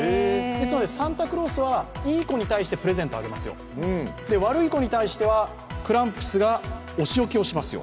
サンタクロースはいい子に対してプレゼントあげますよ、悪い子に対してはクランプスがおしおきをしますよ。